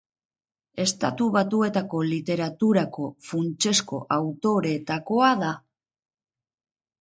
Estatu Batuetako literaturako funtsezko autoreetakoa da.